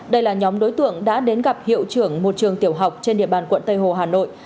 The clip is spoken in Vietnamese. đây là nhóm đối tượng đã đến gặp hiệu trưởng một trường tiểu học trên địa bàn quận tây hồ hà nội